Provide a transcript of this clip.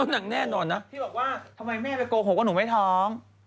ทำไมแม่ไปโกหกอะหนู็วะอีทอง